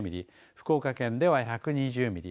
福岡県では１２０ミリ